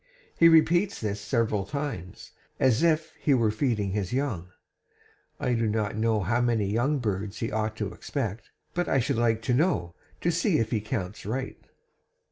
He repeats this several times, as if he were feeding his young. I do not know how many young birds he ought to expect, but I should like to know, to see if he counts right!'